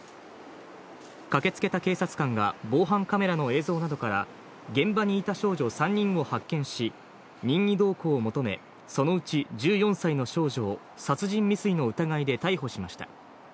駆けつけた警察官が防犯カメラの映像などから現場にいた少女３人を発見し、任意同行を求め、そのうち１４歳の少女を殺人未遂の疑いで逮捕しました。